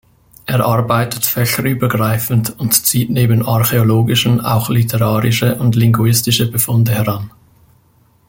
Er arbeitet fächerübergreifend und zieht neben archäologischen auch literarische und linguistische Befunde heran.